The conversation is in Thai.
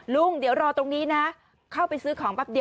เป็นยังไง